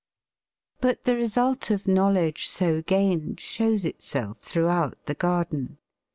But the result of knowledge so gained shows itself throughout the garden.